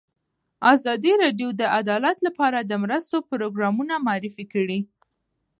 ازادي راډیو د عدالت لپاره د مرستو پروګرامونه معرفي کړي.